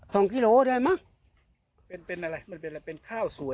ถึงแก่สัก๒กิโลเมตร